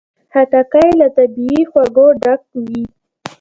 خټکی له طبیعي خوږو ډک وي.